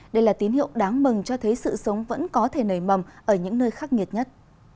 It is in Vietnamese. đây là tín hiệu đáng mừng cho thấy sự sống vẫn có thể nảy mầm ở những nơi khắc nghiệt nhất